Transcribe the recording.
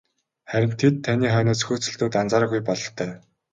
Харин тэд таны хойноос хөөцөлдөөд анзаараагүй бололтой.